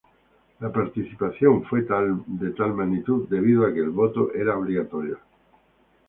La participación fue de tal magnitud debido a que el voto era obligatorio.